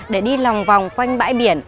để đi lòng vòng quanh bãi biển